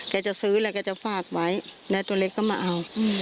จะซื้อแล้วก็จะฝากไว้แล้วตัวเล็กก็มาเอา